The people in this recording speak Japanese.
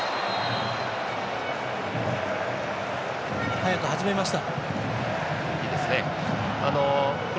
早く始めました。